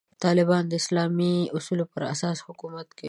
طالبان د اسلامي اصولو پر اساس حکومت کوي.